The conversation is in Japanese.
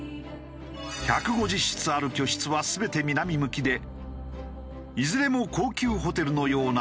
１５０室ある居室は全て南向きでいずれも高級ホテルのようなたたずまい。